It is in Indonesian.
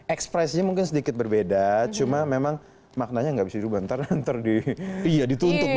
expressnya mungkin sedikit berbeda cuma memang maknanya nggak bisa dibantar nanti dituntuk